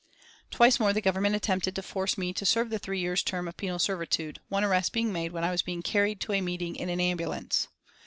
Twice more the Government attempted to force me to serve the three years' term of penal servitude, one arrest being made when I was being carried to a meeting in an ambulance.